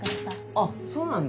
あっそうなんだ。